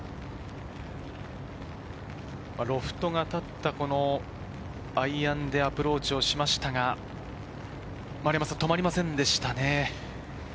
ロフトが立ったこのアイアンでアプローチをしましたが、止まりませんでしたね。